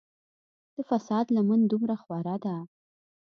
د فساد لمن دومره خوره ده.